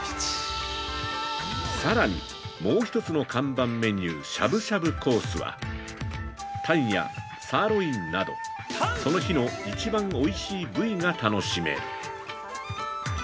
さらに、もう一つの看板メニュー「しゃぶしゃぶコース」は、タンやサーロインなど、その日の一番おいしい部位が楽しめる。